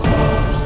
ada apaan sih